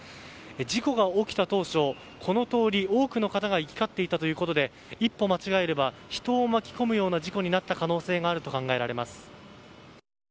事故が起きた当初、この通りは多くの方が行き交っていたということで一歩間違えれば人を巻き込むような事故になった可能性があると考えられます。